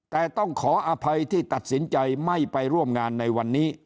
แต่ต้องขออภัยที่ตัดสินใจไม่ไปร่วมงานในวันนี้